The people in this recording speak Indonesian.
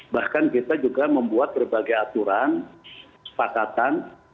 bahkan kita juga membuat berbagai aturan sepakatan